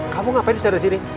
kamu ngapain bisa ada di sini